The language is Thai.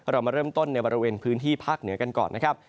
เรามาเริ่มต้นในบริเวณพื้นที่ภาคเหนือกันก่อนนะครับ